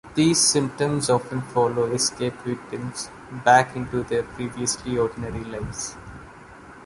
These symptoms often follow escaped victims back into their previously ordinary lives.